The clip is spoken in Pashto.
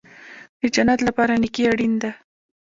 د جنت لپاره نیکي اړین ده